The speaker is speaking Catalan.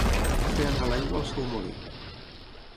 Fer anar l'aigua al seu molí.